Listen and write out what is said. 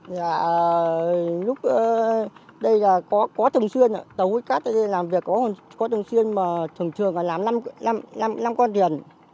dạ lúc đây là có thường xuyên tàu hút cát làm việc có thường xuyên mà thường xuyên làm năm con thuyền